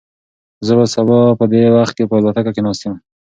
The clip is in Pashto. زه به سبا په دې وخت کې په الوتکه کې ناست یم.